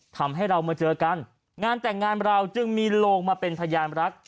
ทำให้เรามาเจอกันงานแต่งงานเราจึงมีโลงมาเป็นพยานรัก